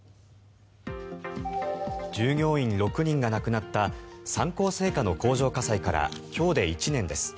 従業員６人が亡くなった三幸製菓の工場火災から今日で１年です。